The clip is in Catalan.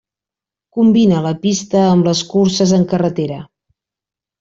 Combina la pista amb les curses en carretera.